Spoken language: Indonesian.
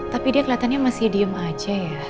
tapi dia kelihatannya masih diem aja ya